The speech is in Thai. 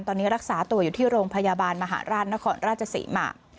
ตอนนี้รักษาตัวอยู่ที่โรงพยาบาลมหาราชนครราชศรีมา